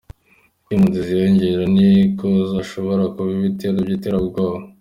Uko impunzi ziyongera, ni na ko hashobora kuba ibitero vy’iterabwoba.